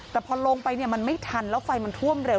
แต่พอลงไปเนี่ยมันไม่ทันแล้วไฟมันท่วมเร็ว